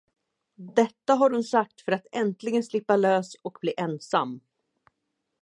Detta hade hon sagt, för att äntligen slippa lös och bli ensam.